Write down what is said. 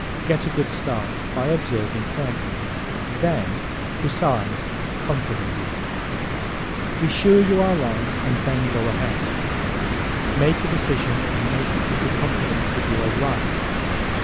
Get a good start by observing carefully. Then Decide CONFIDENTLY ¶ Be sure you are right and then go ahead. Make a decision and make it with the confidence that you are right.